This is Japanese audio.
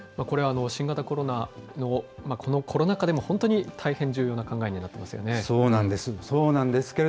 これ、新型コロナのこのコロナ禍でも本当に大変重要な考えにそうなんです。